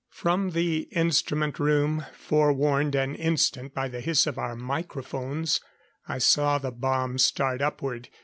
From the instrument room forewarned an instant by the hiss of our microphones I saw the bomb start upward.